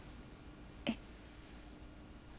えっ？